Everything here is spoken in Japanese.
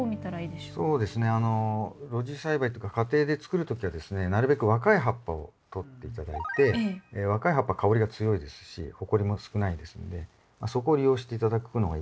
露地栽培っていうか家庭で作る時はですねなるべく若い葉っぱをとって頂いて若い葉っぱ香りが強いですしほこりも少ないですのでそこを利用して頂くのがいいかなと。